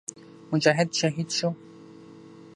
مجاهد شهید شو.